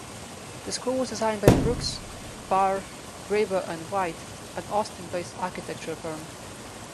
The school was designed by Brooks, Barr, Graber and White, an Austin-based architecture firm.